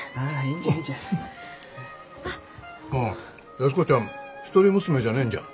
安子ちゃん一人娘じゃねんじゃあ。